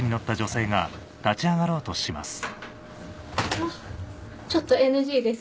あっちょっとＮＧです